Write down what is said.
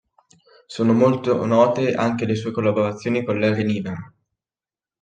Sono molto note anche le sue collaborazioni con Larry Niven.